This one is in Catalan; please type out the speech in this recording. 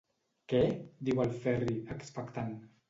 Què? –diu el Ferri, expectant.